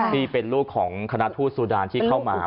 ที่เป็นลูกของคณะทูตซูดานที่เข้ามา